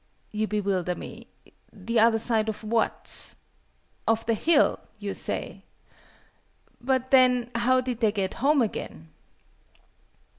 You bewilder me. The other side of what? "Of the hill," you say. But then, how did they get home again?